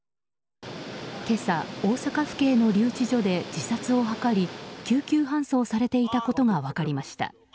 今朝、大阪府警の留置所で自殺を図り救急搬送されていたことが分かりました。